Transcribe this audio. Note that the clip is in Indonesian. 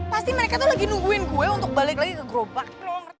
pasti mereka tuh lagi nungguin kue untuk balik lagi ke gerobak